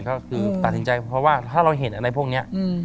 ก็คือตัดสินใจเพราะว่าถ้าเราเห็นอะไรพวกนี้